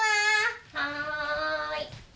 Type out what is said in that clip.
はい。